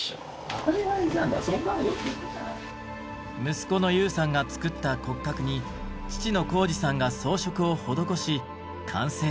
息子の悠さんが作った骨格に父の浩司さんが装飾を施し完成です。